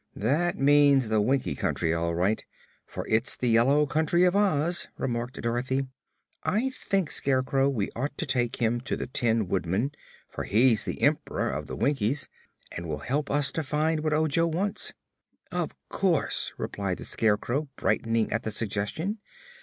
"That means the Winkie Country, all right, for it's the yellow country of Oz," remarked Dorothy. "I think, Scarecrow, we ought to take him to the Tin Woodman, for he's the Emp'ror of the Winkies and will help us to find what Ojo wants." "Of course," replied the Scarecrow, brightening at the suggestion.